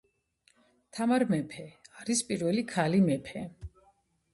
თამარ მეფე, არის პირველი ქალი მეფე.